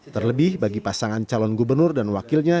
terlebih bagi pasangan calon gubernur dan wakilnya